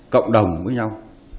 cộng đồng với nhau